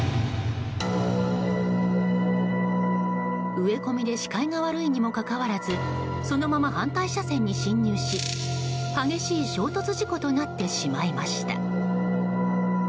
植え込みで視界が悪いにもかかわらずそのまま反対車線に進入し激しい追突事故となってしまいました。